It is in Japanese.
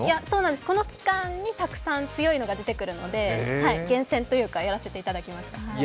この期間にたくさん強いのが出てくるので、厳選というかやらせていただきました。